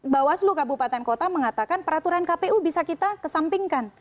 bawaslu kabupaten kota mengatakan peraturan kpu bisa kita kesampingkan